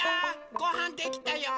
ごはんできたよ！